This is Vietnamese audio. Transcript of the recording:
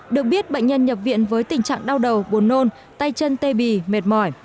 được biết bệnh nhân nhập viện với tình trạng đau đầu buồn nôn tay chân tê bì mệt mỏi